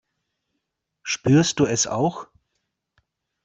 Spürst du es auch?